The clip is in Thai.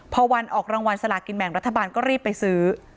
พอวันออกรางวัลสลากินแบ่งรัฐบาลก็รีบไปซื้อ